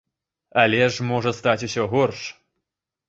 Але ж можа стаць усё горш.